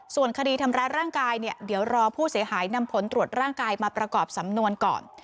ส่วนคดีทำร้ายร่างกายเนี่ยเดี๋ยวรอผู้เสียหายนำผลตรวจร่างกายมาประกอบสำนวนก่อน